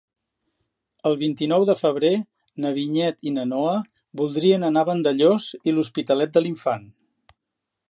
El vint-i-nou de febrer na Vinyet i na Noa voldrien anar a Vandellòs i l'Hospitalet de l'Infant.